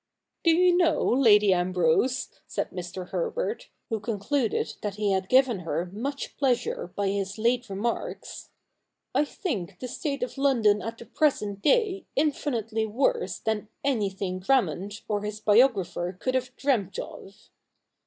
' Do you know, Lady Ambrose,' said Mr. Herbert, who concluded that he had given her much pleasure by his late remarks, ' I think the state of London at the present day infinitely worse than anything Grammont or his biographer could have dreamt of.'